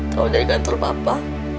tahu dari gantul papa